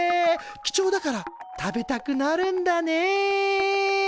貴重だから食べたくなるんだね。